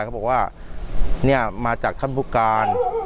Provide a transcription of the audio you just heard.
เขาบอกว่าเนี่ยมาจากท่านผู้การ